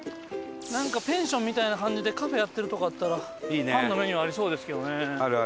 ペンションみたいな感じでカフェやってるとこあったらパンのメニューありそうですけどね。